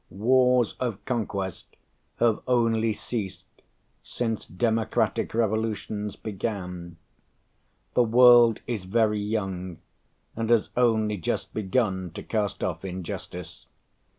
Wars of conquest have only ceased since democratic revolutions began. The world is very young, and has only just begun to cast off injustice.